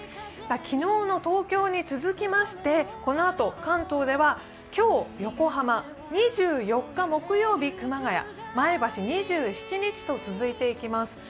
昨日の東京に続きましてこのあと、関東では今日、横浜、２４日木曜日、熊谷、前橋、２７日と続いていきます。